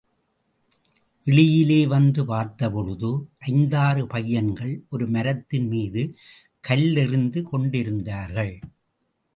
வெளியிலே வந்து பார்த்தபொழுது, ஐந்தாறு பையன்கள் ஒரு மரத்தின் மீது கல்லெறிந்து கொண்டிருந்தார்கள்.